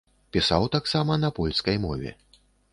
Пісаў таксама на польскай мове.